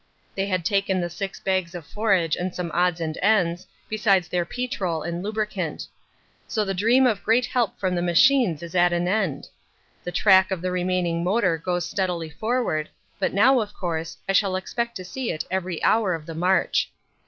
They had taken the six bags of forage and some odds and ends, besides their petrol and lubricant. So the dream of great help from the machines is at an end! The track of the remaining motor goes steadily forward, but now, of course, I shall expect to see it every hour of the march.